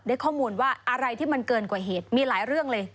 ข้อมูลว่าอะไรที่มันเกินกว่าเหตุมีหลายเรื่องเลย